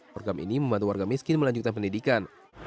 program ini membantu warga miskin melanjutkan pendidikan